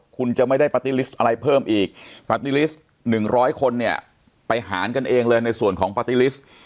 คุณจะไม่ได้ปาร์ตี้ลิสต์อะไรเพิ่มอีกปาร์ตี้ลิสต์๑๐๐คนเนี่ยไปหารกันเองเลยในส่วนของปาร์ตี้ลิสต์